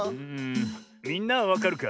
みんなはわかるか？